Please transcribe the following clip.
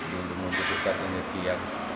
menunjukkan energi yang